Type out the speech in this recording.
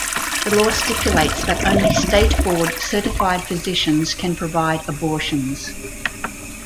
The law stipulates that only state board certified physicians can provide abortions.